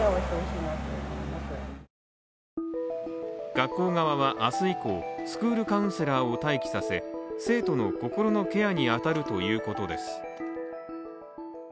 学校は明日以降スクールカウンセラーを待機させ生徒の心のケアに当たるということです。